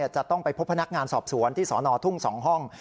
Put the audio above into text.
จะต้องไปพบพนักงานสอบสวนที่สนทุ่ง๒ห้อง